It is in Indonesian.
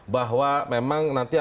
bahwa memang nanti